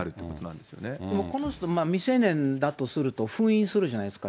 でもこの人、未成年だとすると、封印するじゃないですか。